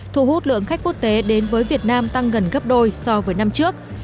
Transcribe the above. thu hút lượng khách quốc tế đến với việt nam tăng gần gấp đôi so với năm trước